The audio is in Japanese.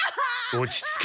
落ち着け。